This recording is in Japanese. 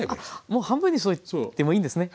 もう半分にしといてもいいんですね！